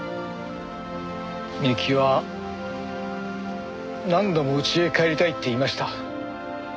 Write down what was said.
美雪は何度もうちへ帰りたいって言いました。